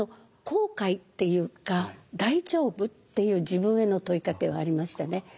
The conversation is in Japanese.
後悔っていうか「大丈夫？」っていう自分への問いかけはありましたね。